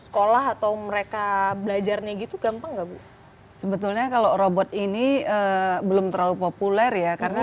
sekolah atau mereka belajarnya gitu gampang nggak bu sebetulnya kalau robot ini belum terlalu populer ya karena